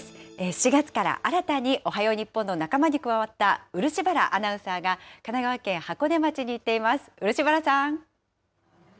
４月から新たにおはよう日本の仲間に加わった、漆原アナウンサーが、神奈川県箱根町に行っています。